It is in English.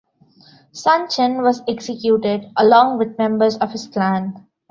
Sun Chen was executed, along with members of his clan.